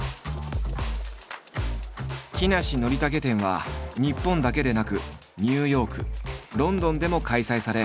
「木梨憲武展」は日本だけでなくニューヨークロンドンでも開催され